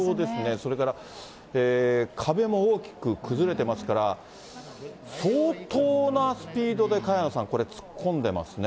それから壁も大きく崩れていますから、相当なスピードで萱野さん、これ、突っ込んでますね。